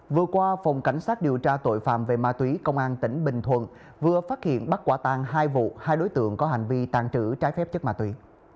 vừa qua phòng cảnh sát điều tra tội phạm về ma túy công an tỉnh bình thuận vừa phát hiện bắt quả tan hai vụ hai đối tượng có hành vi tàn trữ trái phép chất ma túy